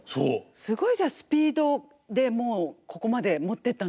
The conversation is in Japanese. すごいスピードでもうここまで持っていったんですね。